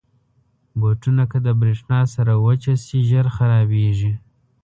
بوټونه که د برېښنا سره وچه شي، ژر خرابېږي.